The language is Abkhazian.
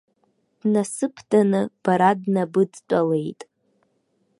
Днасыԥданы бара днабыдтәалеит.